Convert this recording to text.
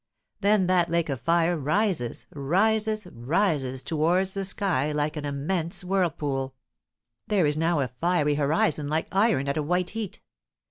Then that lake of fire rises rises rises towards the sky like an immense whirlpool. There is now a fiery horizon like iron at a white heat.